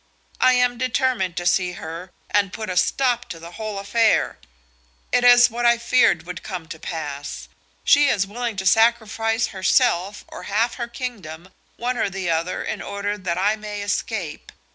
I am determined to see her and put a stop to the whole affair. It is what I feared would come to pass. She is willing to sacrifice herself or half her kingdom, one or the other, in order that I may escape.